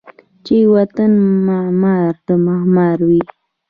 چې و طن معمار ، معمار وی